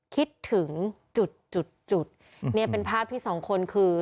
คิดถึงนี่เป็นภาพที่สองคนคือ